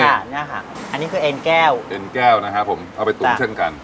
อันนี้ค่ะอันนี้คือเอ็นแก้วเอ็นแก้วนะครับผมเอาไปตุ๋นเช่นกัน